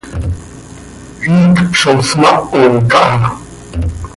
Iicp zo smaho caha.